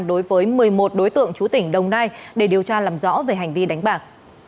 đối với một mươi một đối tượng chú tỉnh đồng nai để điều tra làm rõ về hành vi đánh bạc